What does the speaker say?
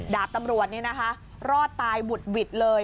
ดาบตำรวจนี่นะคะรอดตายบุดหวิดเลย